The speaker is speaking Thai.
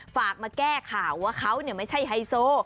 ฝากมาแก้ข่าวว่าเขาไม่ใช่ไฮโซ